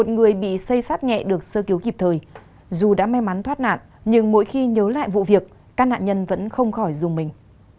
một người bị xây sát nhẹ được sơ cứu kịp thời dù đã may mắn thoát nạn nhưng mỗi khi nhớ lại vụ việc các nạn nhân vẫn không khỏi dùng mình